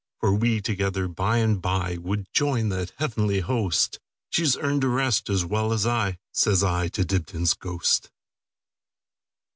For we together by and byWould join that heavenly host; She 's earned a rest as well as I,"Says I to Dibdin's ghost.